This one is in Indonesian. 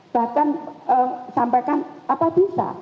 bahkan sampaikan apa bisa